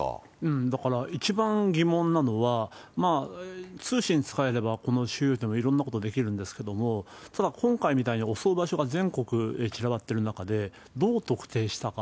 だから、一番疑問なのは、通信使えれば、この収容所でもいろんなことができるんですけども、ただ今回みたいに襲う場所が全国に散らばってる中で、どう特定したか。